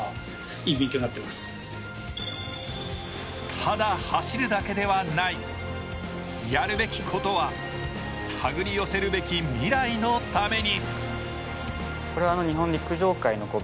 ただ走るだけではない、やるべきことは手繰り寄せるべき未来のために。